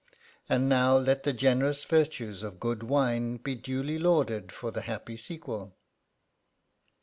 And now let the generous virtues of good wine be duly lauded for the happy sequel